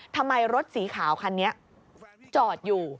รถสีขาวคันนี้จอดอยู่